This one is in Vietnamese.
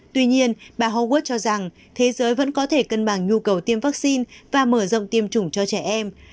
tuy nhiên bà hugud cho rằng thế giới vẫn có thể cân bằng nhu cầu tiêm vaccine và mở rộng tiêm chủng cho trẻ em